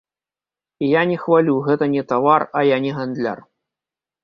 Я не хвалю, гэта не тавар, а я не гандляр.